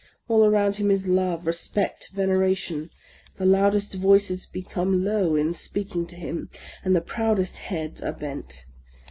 All around him is love, re spect, veneration ; the loudest voice.8 become low in speaking to him, and the proudest heads are bent.